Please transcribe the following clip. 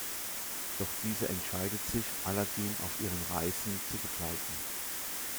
Doch diese entscheidet sich, Aladdin auf ihren Reisen zu begleiten.